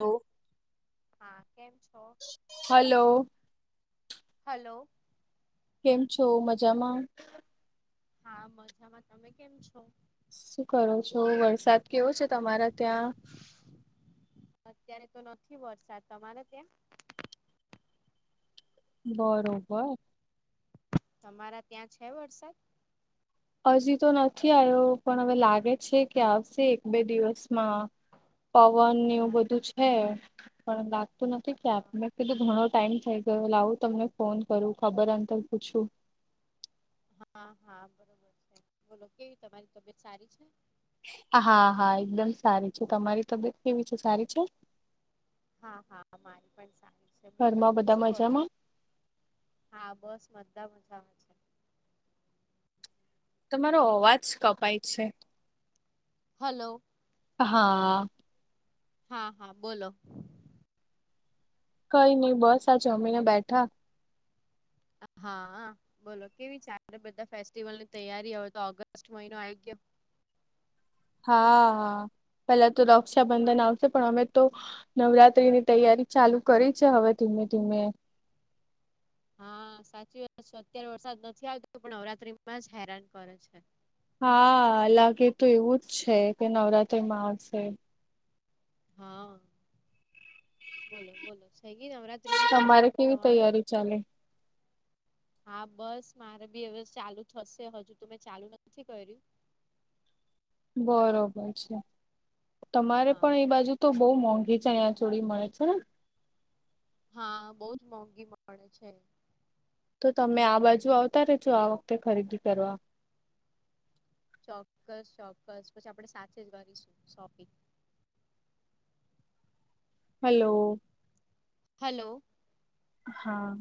તો? હા કેમ છો? હલો. હલો. કેમ છો? મજામાં. હા મજામાં તમે કેમ છો? શું કરો છો વરસાદ કેવો છે તમારા ત્યાં. અત્યારે તો નથી વરસાદ તમારે ત્યાં. બરોબર. તમારા ત્યાં છે વરસાદ. હજી તો નથી આવ્યો પણ હવે લાગે છે કે આવશે એક બે દિવસમાં. પવન ને એવું બધું હા છે પણ બાકી તુ નથી કેબ મેં કીધું ઘણો ટાઈમ થઈ ગયો લાવું તમને ફોન કરું ખબર અંતર પૂછું. હા-હા બરોબર છે. બોલો કેવી તમારી તબિયત સારી છે. હા હા એકદમ સારી છે. તમારી તબિયત કેવી છે, સારી છે? હા હા મારી પણ સારી છે. બોલો ઘરમાં બોલો બધા શું કહો છો? મજામાં હા, બસ બધાં મજામાં છે. તમારો અવાજ કપાય છે. હલો. હા. હા હા બોલો. કઈ નઈ બસ આ જમીને બેઠા. હા આ બોલો કેવી ચાલે બધા ફેસ્ટિવલની તૈયારી હવે તો ઓગસ્ટ મહિનો આવી ગયો. હા આ પેલા તો રક્ષાબંધન આવશે પણ અમે તો નવરાત્રીની તૈયારી ચાલુ કરી છે હવે ધીમે ધીમે. હા, સાચી વાત છે અત્યારે વરસાદ નથી આવતો પણ નવરાત્રીમાં જ હેરાન કરે છે. હા, લાગે તો એવું જ છે કે નવરાત્રી માં આવશે. હા. બોલો બોલો થઈ ગઈ નવરાત્રીની તમારે શોપિંગ કેવી તમારે? તૈયારી ચાલે હા, બસ મારે બી હવે ચાલુ થશે હજુ તો મેં ચાલુ નથી કર્યું. બરોબર છે. તમારે હા પણ એ બાજુ તો બહુ મોંઘી ચણિયા ચોડી મળે છે. હા, બહુંજ મોંઘી મળે છે. તો તમે આ બાજુ આવતા રેજો આ વખતે ખરીદી કરવા. ચોક્કસ ચોક્કસ પછી આપડે સાથે જ કરીશું શોપિંગ. હેલો. હલો. હા.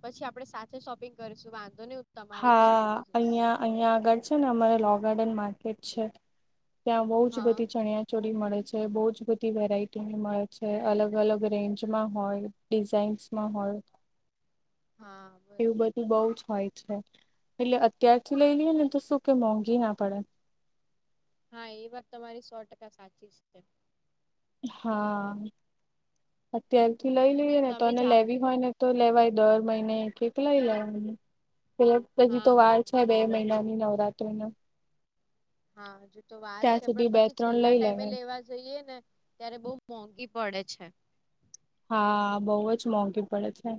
પછી આપડે સાથે શોપિંગ કરીશું વાંધો નહી હું તમારે ત્યાં હા આવી જઈશ. અહિયાં અહિયાં આગળ છે ને અમારે લો ગાર્ડન માર્કેટ છે ત્યાં બહુ જ હા બધી ચણ્યા ચોરી મળે છે બહુ જ બધી વેરાયટીની મળે છે અલગ અલગ રેન્જમાં હોય. ડિઝાઇન્સમાં હોય હા બરોબર. એવું બધું બઉ જ હોય છે. એટલે અત્યારથી લઈ લઈએ ને તો શું કે મોંઘી ના પડે. હા એ વાત તમારી સો ટકા સાચી જ છે. હા, અત્યારથી લઈ લઈએ નહી ને તમે તોને જા લેવી હોય ને તો લેવાય દર મહિને કેટલાય લેવાના પેલા પજી હા તો હા. વાર હે બે મહિનાની નવરાત્રી નો. હા હજુ તો વાર ત્યાં છે સુધી પણ બે પછી ત્રણ છેલ્લા લઈ ટાઈમે લેવાય લેવા જઈએ ને ત્યારે બહુ મોંઘી પડે છે. હા, બહુ જ મોંઘી પડે છે.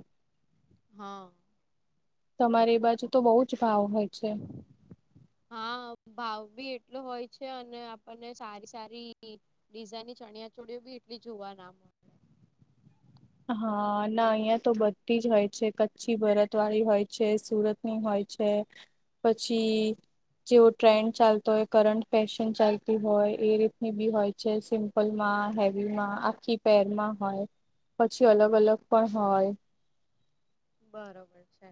હા. તમારી બાજુ તો બહુ જ ભાવ હોય છે. હા, ભાવ બી એટલો હોય છે અને આપણને સારી સારી ડીઝાઈનની ચણિયા ચોળઓ બી એટલી જોવા ના મળ હા ના અહિયાં તો બધી જ હોય છે કચ્છી ભરતવાળી હોય છે સુરત ની હોય છે પછી જેવો ટ્રેન્ડ ચાલતો હોય કરંટ ફેશન ચાલતી હોય એ રીતની બી હોય છે સિમ્પલમાં હેવીમાં આખી પેરમાં હોય પછી અલગ અલગ પણ હોય. બરોબર છે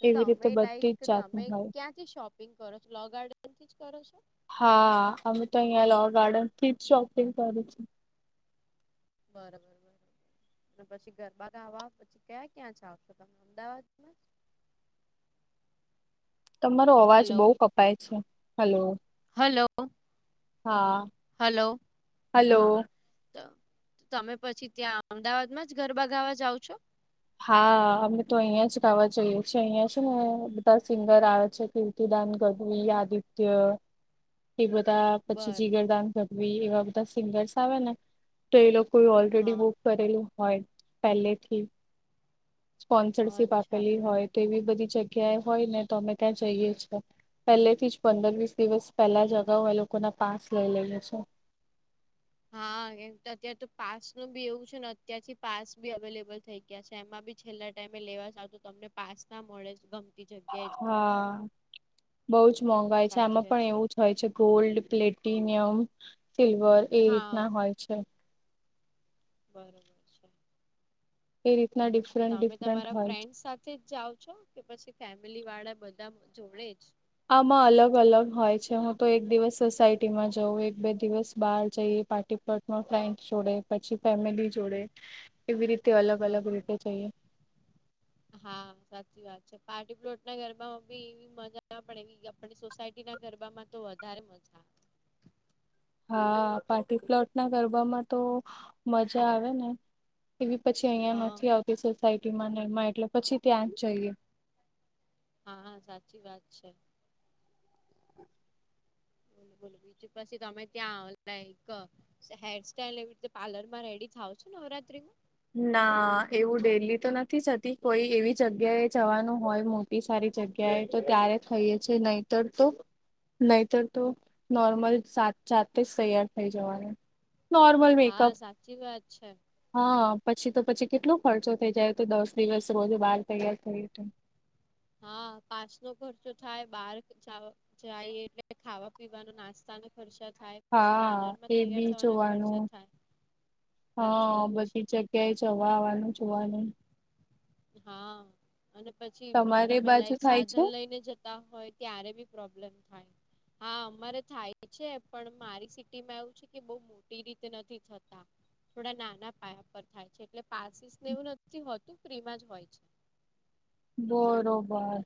તો એવી રીતે તમે લાઈક બધી જ કે જાતની તમે હોય ક્યાં થી શોપિંગ કરો છો લો ગાર્ડન થી જ કરો છો? હા અમે તો અહિયા લો ગાર્ડન થી જ શોપિંગ કરીએ છીએ. બરોબર બરોબર અને પછી ગરબા ગાવા પછી ક્યાં ક્યાં જાવ છો તમે અમદાવાદ તમારો અવાજ હલો બહુ કપાય છે હલો હલો હા હલો હલો હા. તમે પછી ત્યાં અમદાવાદમાં જ ગરબા ગાવા જાવ છો. હા અમે તો અહિયાં જ ગાવા જઈએ છીએ અહિયાં શું ને બધા સિંગર આવે છે કી ઉદાન ગઢવી આદિત્ય એ બધા પછી બરો જીગરદાન ગઢવી એવા બધા સિંગર્સ આવે ને તો એ લોકો ઓલરેડી હા બુક કરેલું હોય પહેલે થી સ્પોન્સરશીપ અચ્છા આપેલી બરોબર હોય તો એવી બધી જગ્યાએ હોય ને તો અમે ત્યાં જઈએ છીએ પહેલે થી જ પંદર વીસ દિવસ પહેલા જગાઓ એ લોકોના પાસ લઈ લઈએ છે હા કેમ અત્યારે તો પાસ નું બી એવું છે ને અત્યારથી પાસ બી અવેલેબલ થઈ ગય જગ્યા છે એમાં બી છેલ્લા ટાઈમે લેવા જ આવ તો તમને પાસ્તા મળે ગમતી જગ્યાએ જ હા બઉુ જ મોંઘાઈ છે સાચી આમાં વાત પણ એવું હોય છે ગોલ્ડ પ્લેટિનિયમ સિલ્વર એ છે હા રીતના હોય છે બરાબર છે એ રીતના ડિસ્કાઉન્ટ તો તમે તમારા ફ્રેન્ડસ સાથે જ જાઓ છો કે પછી ફેમિલી વાળા બધા જોડે જ આમાં અલગ અલગ હોય છે હું તો એક દિવસ સોસાયટીમાં જઉં એક બે દિવસ બહાર જઈએ પાર્ટી પ ફ્રેન્ડ જોડે પછી ફેમિલી જોડે એવી રીતે અલગ અલગ બરોબર રીતે જઈએ હા સાચી વાત છે પાર્ટી પ્લોટ ના ઘરમાં એવી મજા ના પણ એવી પણ સોસાયટી ના ગરબામાં તો વધારે મજા આવે હા પાર્ટીપ્લોટ ના ગરબામાં તો મજા આવે ને એવી પછી અહં હા નથી આવતી સોસાયટીમાં એમાં એટલે પછી ત્યાં જ જઈએ હા હા સાચી વાત છે બોલો બોલો બીજુ પછી તમે ત્યાં આવલા એક હેર સ્ટાઈઇલ એવી રીતે પાર્લર માં રેડી થાવ છો નવરાત્રી માં ના એવું ડેલી તો નથી જતી કોઈ એવી જગ્યા એ જવાનું હોય મોટ સારી જગ્યાએ તો ત્યારે થઈએે છે નહીતર તો નહીતર તો નોર્મલ સાત જાતે જ તૈયાર થઈ જવાનું નોર્મલ હા મેકઅપ સાચી વાત છે. હમ. હા પછી તો પછી કેટલો ખર્ચો થઈ જાય તો દસ દિવસ રોજ બહાર તૈયાર થય હત હા પાસ નો ખર્ચો થાય બાર [unintelligible] જાય એટલે ખાવા પીવાનો નાસ્તા ન ખર્ચા થાય પછી હા પાર્લર માં એ તૈયાર બી થવાના જોવાનું ખર્ચા થાય સાચી હા વાત છે. બધી જગ્યા જગ્યાએ જવા આવવાનું જોવાનું હા અને પછી તમારે તમે બાજુ લાઈક થાય છે સાધન લઈને જ જતા હોય ત્યારે બી પ્રોબ્લેમ થાય હા અમારે થાય છે પણ મારી સિટીમાં એવું છે કે બ મોટી રીતે નથી થતા થોડા નાના પાયા પર થાય છે એટલે પાસીસ ને એવું નથી હોતું ફ્રીમાં જ હોય છે બરોબર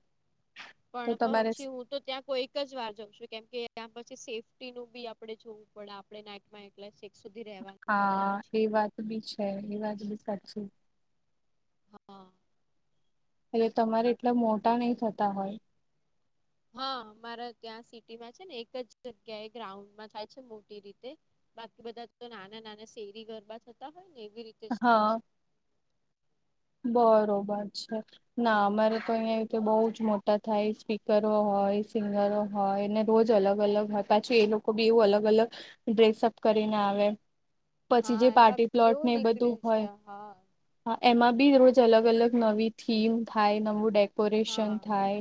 તો પણ તમારે પછી હું તો ત્યાં કોઈક જ વાર જમશું કેમ કે ત્યાં પછી સેફ્ટી નું બી આપડણે જોવું પડે આપણે [unintelligible] [unintelligible] સુધી રેવાનું એટલે હા પછી વાત એ બી છે એ વાત બી સાચી હા એટલે તમારે એટલા મોટા નહિ થતા હોય હા મારા ત્યાં સિટીમાં છે ને એક જ જગ્યા એ ગ્રાઉન્ડમાં થાય છે મોટી રીતે બાકી બધા તો નાના નાના શેરી ગરબા થતા હોય ને એવી રીતે જ થાય હા છે. બરોબર છે ના અમારે તો અહં રીતે બહુ જ મોટા થાય સ્પીકરો હોય સિંગરો હા એને રોજ અલગ અલગ પાછી એ લોકો બી એવું અલગ અલગ ડ્રેસઅપ કરીને આવે પછી જે હા એમાં પાર્ટી બી પ્લોટ કેવું ને એ બધું નીકળ્યું છે હા હોય હા એમાં રોજ અલગ અલગ નવી થીમ થાય નવું ડેકોરેશન હા થાય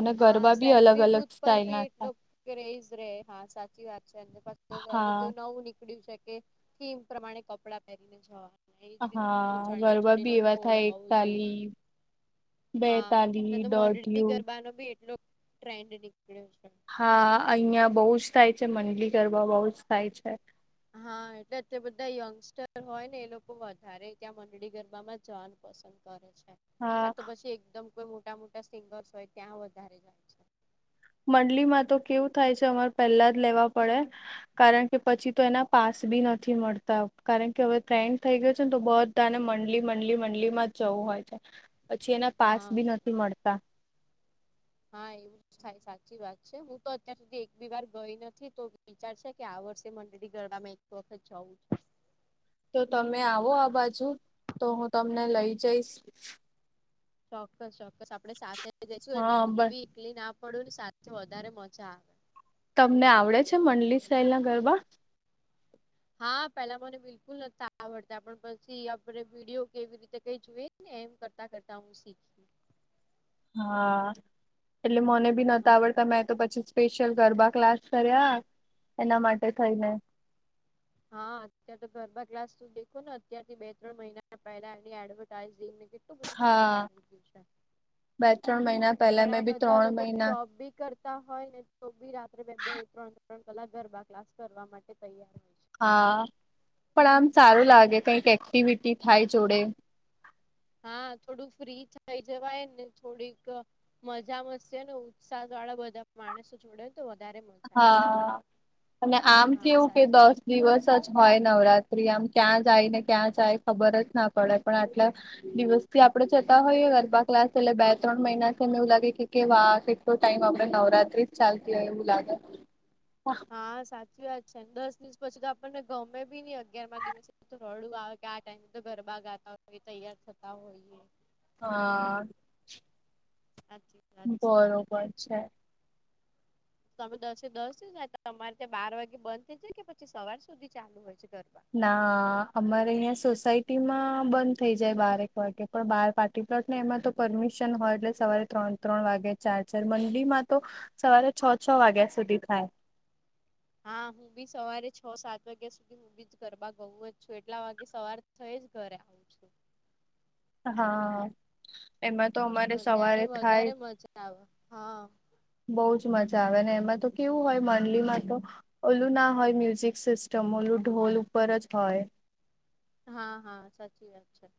અને હા ગરબા બી અલગ સેલ્ફી અલગ બુથ પર સ્ટાઇલ બી ના એટલો થાય કેજ રે હા સાચી વાત છે અને પાધું હા નવું નીકળ્યું છે કે થીમ પ્રમાણે કપડાં પહેરીને જવા. એજ રીતે તમારે હા ચણિયા ગરબા ચોળી નો બી એવા કોડ થાય હોવો જોઈએ. એકતાલી હા બેતાલી તો મોડૅન દોઢિયું ગરબાનો બી એટલો ટ્રેન્ડ નીકળ્યો છે. હા અહિયાં બહુ જ થાય છે મંડલી ગરબા બહુ જ થાય છે. હા એટલે અતાર બધા યંગસ્ટર હોય ને એ લોકો વધારે ત્યાં મંડળી ગરબામાં જવાનું પસંદ કરે છે હા આ તો પછી એકદમ કોઈ મોટા મોટા સિંગર્સ હોય ત્યાં વધારે જાય છે. મંડલી માં તો કેવું થાય છે અમારે પહેલા જ લેવા પડે. કારણ કે પછી તો એના પાસ બી નથી મળતા કારણ કે હવે ટ્રેન્ડ થઈ ગયો છે ને તો બ ને મંડલી મંડલી મંડલી માં જવું હોય છે પછી એના પાસ હા બી નથી મળે હા એવું. થાય સાચી વાત છે હું તો અત્યાર સુધી એક બી વાર ગઈ નથી તો વિચાર છે કે આ વર્ષે મંડળી ગરબામાં વખત જવું છે. તો તમે આવો આ બાજુ તો હું તમને લઈ જઈશ. ચોક્કસ ચોક્કસ આપડે સાથે જઈશું એટલે હા હું બસ બી એકલી ના પડું ને સાથે વધારે મજા આવે. તમને આવડે છે મંડલી સાહેલ ના ગરબા. હા પેલા મને બિલકુલ નથી આવડતા પણ પછી આપણે વિડીયો કેવી રીતે કઈ જુએ. એમ કરતા કરતા હું શીખી ગઈ હા એટલે મને ભી હા નહતા આવડતા મેં તો પછી. સ્પેશિયલ ગરબા ક્લાસ કર્યા એના માટે થઈને હા અત્યારે તો ગરબા ક્લાસ તું દેખો ને અત્યારથી બે ત્રણ મહિના પહેલા એની એડવર્ટાઈઝઈને કેટલું બધું ચાલુ હા થઇ ગયું છે બે ત્રણ મહિના પહેલા ઘણા મેં બી બધા ત્રણ લોકો મહિના જોબ બી કર હોય ને તો બી રાત્રે બે બે ત્રણ ત્રણ કલાક ગરબા ક્લાસ કરવા માટે તૈયાર હોય. છે. હા પણ આમ સારું લાગે સાચે કઈક એક્ટિવિટી થાય જોડે. હા થોડુંક ફ્રી થઈ જવાય ને થોડીક મજા મશે ને ઉત્સાહ વાળા બધા માણસો જોડે તો વધારે મજા આવે હા અને આમ હા કેવું કે સાચી વાત દસ છે. દિવસ જ હોય નવરાત્રી આમ ક્યાં જાય ને ક્યાં જાય ખબર જ ના પડે પણ આટલે. દિવસ થી આપડે જતા હોઈએ ગરબા ક્લાસ એટલે બે ત્રણ મહિનાથીને એવું લાગે કે કેવા કે તો ટાઈમ આપડે નવરાત્રી જ ચાલતી હોય એવું લાગે. હા. હા સાચી વાત છે, દસ દિવસ પછી તો આપણને ગમે બી નઈ અગિયાર માં દિવસે. રોડું આવે કે આ ટાઈમે તો ગરબા ગાતા હોય તૈયાર થતા હોઈએ. હા. હાછી. બરોબર છે. તમે દસે દસ જ તો તમારે ત્યાં બાર વાગે બંધ થઈ જાય કે પછી સવાર સુધી ચાલુ હોય છે ગરબા? ના અમારે અહં સોસાયટી માં બંધ થઈ જાય બારેક વાગે પણ બાર પાછ ટને એમાં તો પરમિશન હોય એટલે સવારે ત્રણ ત્રણ વાગે ચાર ચાર મંડીમાં તો સવારે છ છ વાગ્યા સુધી થાય. હા હું બી સવારે છ સાત વાગ્યા સુધી હું બીજ ઘરબા ગઉ જ છું એટલા વાગે સવાર થઈ જ ઘરે. આવું છે. હા. એમાં તો અમારે સવારે ત્યારે ખાય. વધારે મજા આવે હા બઉ જ મજા આવે ને એમાં તો કેવું હોય મંડલીમાં તો ઓલું ના હોય મ્યુઝિક સિસ્ટમ ઓલું ઢોલ ઉપર જ હોય. હા, હા, સાચી વાત છે.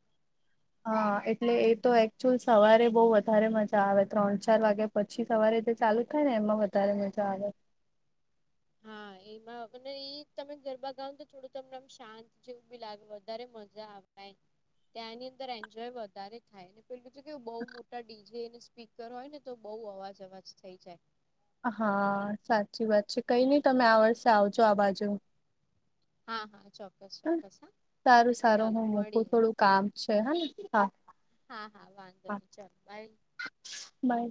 હા એટલે એ તો એકચુઅલ સવારે બહ વધારે મજા આવે ત્રણ ચાર વાગે પછી સવારે જે ચાલુ થાય ને એમાં વધારે મજા આવે. હા [inaudible] એમાં આપણે ઈ તમે ગરબા ગાવ [inaudible] ને તો થોડું [unintelligible] શાંત જેવું બી લાગે વધારે મજા આવે ને ત્યાંની અંદર એન્જોય વધારે થાય ને પે કીધું કે બવ મોટા ડી જે અને સ્પીકર હોય ને તો બઉ અવાજ અવાજ થઈ જાય. હા સાચી વાત છે. કઈ નહી તમે આ વર્ષે આવજો આ બાજુ. હા, હા ચોક સારું સારું હું મૂકું મળીએ થોડું કામ છે. હને? હા. હા હા વાંધો હા નહી ચાલ બાય. બાય.